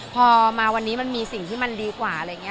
พอมาวันนี้มันมีสิ่งที่มันดีกว่าอะไรอย่างนี้